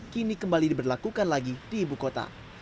kini kembali diberlakukan lagi di ibu kota